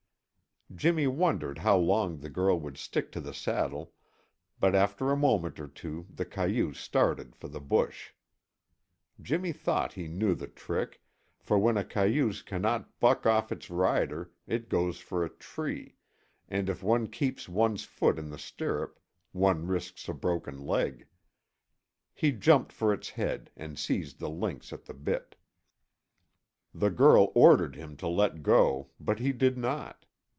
Jimmy wondered how long the girl would stick to the saddle, but after a moment or two the cayuse started for the bush. Jimmy thought he knew the trick, for when a cayuse cannot buck off its rider it goes for a tree, and if one keeps one's foot in the stirrup, one risks a broken leg. He jumped for its head and seized the links at the bit. The girl ordered him to let go, but he did not.